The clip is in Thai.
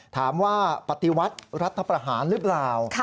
ถามว่าปฏิวัติรัฐประหารหรือเปล่า